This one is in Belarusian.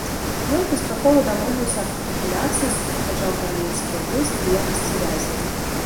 Ён паспяхова дамовіўся аб капітуляцыі і суправаджаў каралеўскія войскі ў якасці вязня.